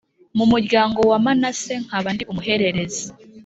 mu muryango wa Manase nkaba ndi umuhererezi.